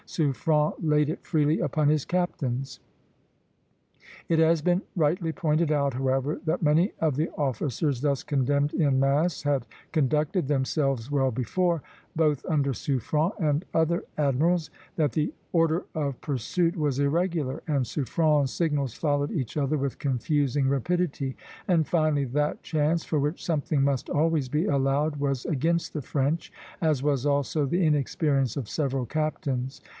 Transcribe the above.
Suffren laid it freely upon his captains. It has been rightly pointed out, however, that many of the officers thus condemned in mass had conducted themselves well before, both under Suffren and other admirals; that the order of pursuit was irregular, and Suffren's signals followed each other with confusing rapidity; and finally that chance, for which something must always be allowed, was against the French, as was also the inexperience of several captains.